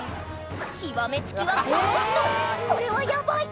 極め付きはこの人これはヤバい！